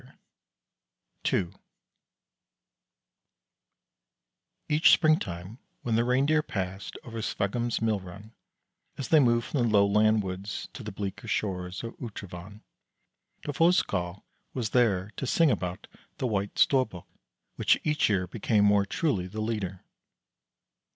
II Each springtime when the Reindeer passed over Sveggum's mill run, as they moved from the lowland woods to the bleaker shore of Utrovand, the Fossekal was there to sing about the White Storbuk, which each year became more truly the leader.